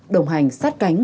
đồng hành sát cánh